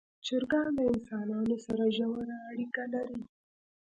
چرګان د انسانانو سره ژوره اړیکه لري.